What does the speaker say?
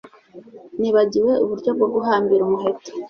Nibagiwe uburyo bwo guhambira umuheto